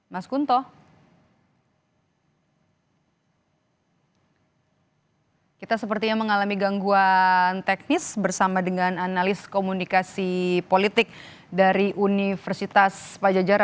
mas kunto kita sepertinya mengalami gangguan teknis bersama dengan analis komunikasi politik dari universitas pajajar